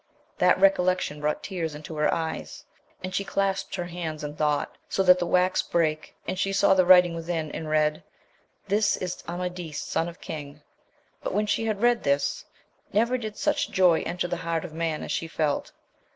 That recollection brought tears into her eyes, and she clasped her hands in thought, so that the wax brake, and she saw the writing within, and read, This is Amadis, son of a king ; but, when she had read this, never did such joy enter the heart of man as she felt.